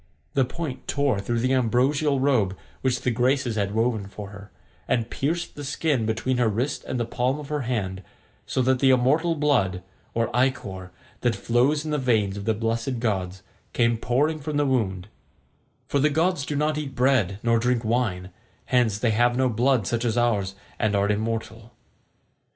The point tore through the ambrosial robe which the Graces had woven for her, and pierced the skin between her wrist and the palm of her hand, so that the immortal blood, or ichor, that flows in the veins of the blessed gods, came pouring from the wound; for the gods do not eat bread nor drink wine, hence they have no blood such as ours, and are immortal.